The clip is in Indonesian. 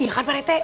iya kan pak rete